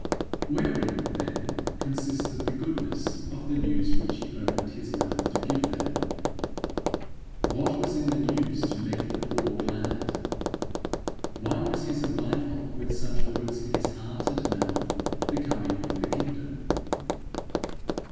Wherein then consisted the goodness of the news which he opened his mouth to give them? What was in the news to make the poor glad? Why was his arrival with such words in his heart and mouth, the coming of the kingdom?